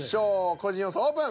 個人予想オープン。